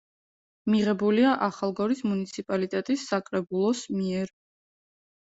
მიღებულია ახალგორის მუნიციპალიტეტის საკრებულოს მიერ.